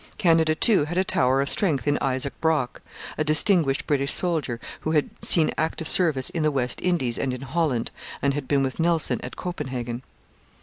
Canada, too, had a tower of strength in Isaac Brock, a distinguished British soldier, who had seen active service in the West Indies and in Holland, and had been with Nelson at Copenhagen.